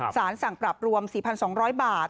สารสั่งปรับรวม๔๒๐๐บาท